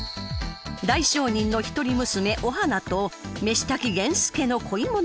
大商人の一人娘お花と飯炊き源助の恋物語。